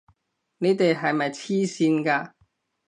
你哋係咪癡線㗎！